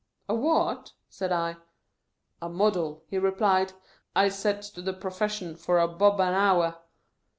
" A what ?" said I. " A Model," he replied. " I sets to the pro fession for a bob a hour."